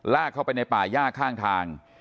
ลากเขาไปในป่ายย่าข้างทาง